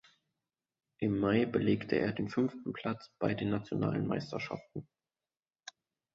Im Mai belegte er den fünften Platz bei den nationalen Meisterschaften.